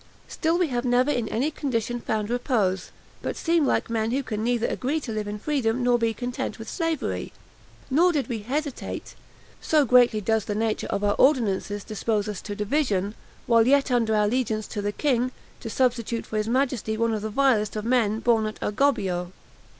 Still we have never in any condition found repose, but seem like men who can neither agree to live in freedom nor be content with slavery. Nor did we hesitate (so greatly does the nature of our ordinances dispose us to division), while yet under allegiance to the king, to substitute for his majesty, one of the vilest of men born at Agobbio.